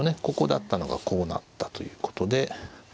ここだったのがこうなったということで。